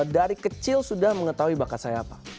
dari kecil sudah mengetahui bakat saya apa